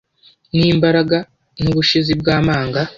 n’imbaraga, n’ubushizi bw’amanga,